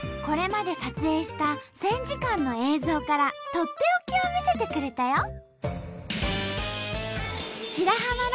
これまで撮影した１，０００時間の映像からとっておきを見せてくれたよ！